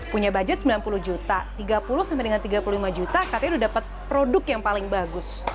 punya budget sembilan puluh juta tiga puluh sampai dengan tiga puluh lima juta katanya udah dapet produk yang paling bagus